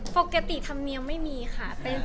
ปกติธำเนียมไม่มีค่ะ